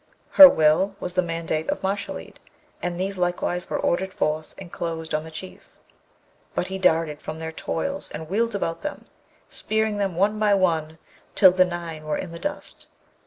Her will was the mandate of Mashalleed, and these likewise were ordered forth, and closed on the Chief, but he darted from their toils and wheeled about them, spearing them one by one till the nine were in the dust.